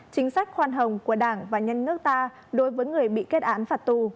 chính sách khoan hồng của đảng và nhân nước ta đối với người bị kết án phạt tù